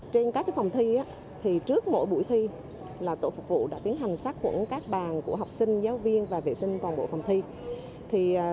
trên các phòng thi trước mỗi buổi thi là tổ phục vụ đã tiến hành sát khuẩn các bàn của học sinh giáo viên và vệ sinh toàn bộ phòng thi